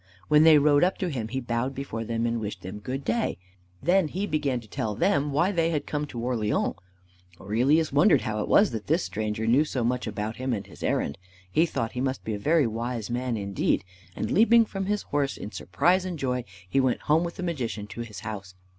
When they rode up to him he bowed before them and wished them "Good day." Then he began to tell them why they had come to Orleans. Aurelius wondered how it was that this stranger knew so much about him and his errand. He thought he must be a very wise man indeed, and leaping from his horse in surprise and joy, he went home with the Magician to his house.